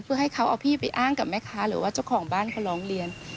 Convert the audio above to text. เพื่อให้เขาเอาพี่ไปอ้างกับแม่ค้าหรือว่าเจ้าของบ้านเขาร้องเรียน